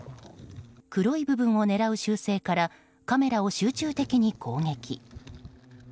黒い部分を狙う習性からカメラを集中的に攻撃。